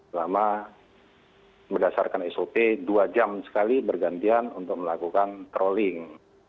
selama berdasarkan sop dua jam sekali bergantian untuk melakukan trolling